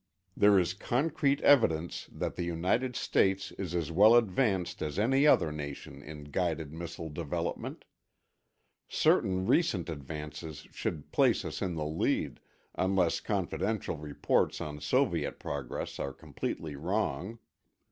There is concrete evidence that the United States is as well advanced as any other nation in guided missile development. Certain recent advances should place us in the lead, unless confidential reports on Soviet progress are completely wrong.